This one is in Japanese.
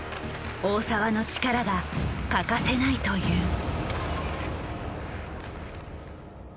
大澤の力が欠かせないという。